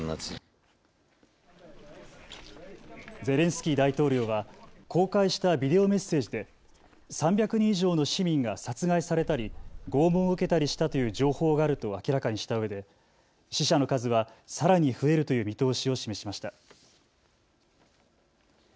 ゼレンスキー大統領は公開したビデオメッセージで３００人以上の市民が殺害されたり拷問を受けたりしたという情報があると明らかにしたうえで死者の数は、さらに増えるという見通しを示しました。